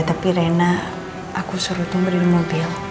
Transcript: tapi rena aku suruh tunggu di mobil